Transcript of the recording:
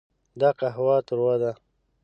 دا قهوه تروه ده.